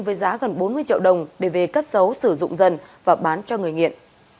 với giá gần bốn mươi triệu đồng để về cất xấu sử dụng dần và bán cho người nghiện